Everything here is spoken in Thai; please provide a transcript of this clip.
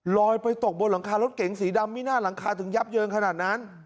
ลอยไปตกบนหลังคารถเก๋งสีดำมิน่าหลังคาถึงยับเยินขนาดนั้น